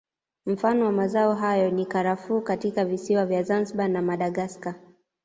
Mfano wa mazao hayo ni Karafuu katika visiwa vya Zanzibari na Madagascar